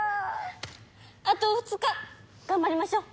あと２日頑張りましょう！